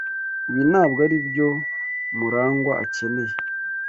Ibi ntabwo aribyo Murangwa akeneye.